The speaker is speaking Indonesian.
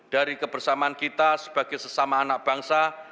dari kebersamaan kita sebagai sesama anak bangsa